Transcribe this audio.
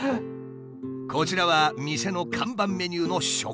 こちらは店の看板メニューの食パン。